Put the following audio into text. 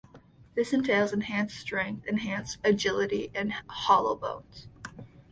This entails enhanced strength, enhanced agility, and hollow bones.